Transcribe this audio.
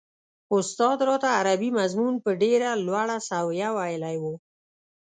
استاد راته عربي مضمون په ډېره لوړه سويه ويلی و.